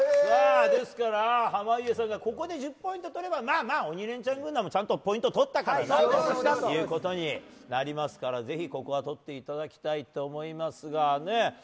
ですから、濱家さんがここで１０ポイント取ればまあ、「鬼レンチャン」軍団もちゃんとポイントとったからということになりますからぜひここは取っていただきたいと思いますが。